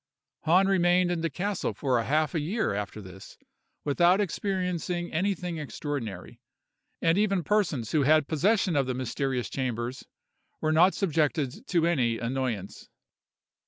"Hahn remained in the castle for half a year after this, without experiencing anything extraordinary; and even persons who had possession of the mysterious chambers were not subjected to any annoyance.